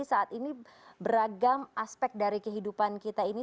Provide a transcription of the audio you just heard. saat ini beragam aspek dari kehidupan kita ini